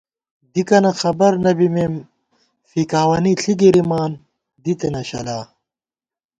دِکَنہ خبر نہ بِمېم ، فِکاوَنی ݪی گِرِمان، دِتَنہ شلا